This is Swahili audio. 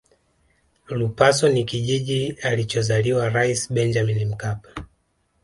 lupaso ni kijiji alichozaliwa rais benjamin mkapa